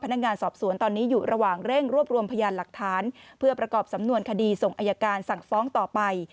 พนักงานสอบสวนตอนนี้อยู่ระหว่างเร่งรวบรวมพยานหลักฐานเพื่อประกอบสำนวนคดีส่งอายการสั่งฟ้องต่อไป